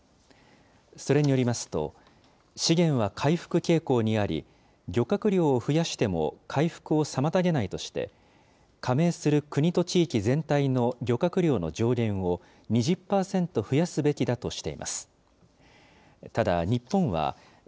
それによりますと、資源は回復傾向にあり、漁獲量を増やしても回復を妨げないとして、加盟する国と地域全体の漁獲量の上限を２０％増やすべきだとしています。